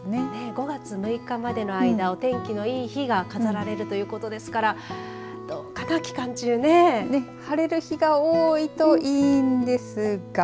５月６日のまでの間お天気のいい日が飾られるということですから期間中晴れる日が多いといいんですが。